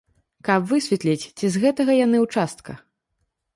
Каб высветліць, ці з гэтага яны ўчастка.